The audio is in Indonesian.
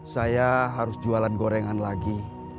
saya harus jualan gorengan lagi